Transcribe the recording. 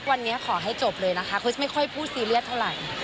วันนี้ขอให้จบเลยนะคะคริสไม่ค่อยพูดซีเรียสเท่าไหร่